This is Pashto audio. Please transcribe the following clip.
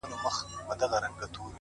• هو زه پوهېږمه ـ خیر دی یو بل چم وکه ـ